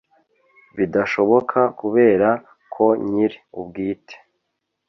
bidashoboka kubera ko nyir ubwite